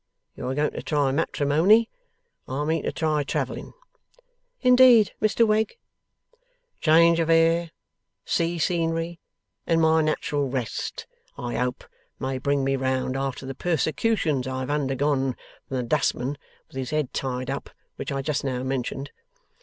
You are going to try matrimony. I mean to try travelling.' 'Indeed, Mr Wegg?' 'Change of air, sea scenery, and my natural rest, I hope may bring me round after the persecutions I have undergone from the dustman with his head tied up, which I just now mentioned.